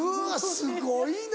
すごいな！